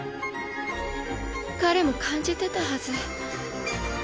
彼も感じてたはず。